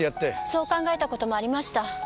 そう考えた事もありました。